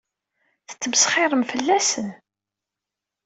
Tettmesxiṛemt fell-asen.